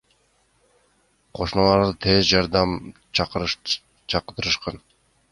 Кошуналары тез жардам чакыртышкан.